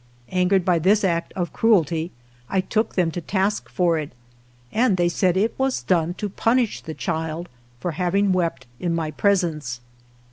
Angered by this act of cruelty, I took them to task for it, and they said it was done to punish the child for hav 148 ALVAR NUNEZ CABEZA DE VACA ing wept in my presence.